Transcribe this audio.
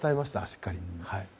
しっかり。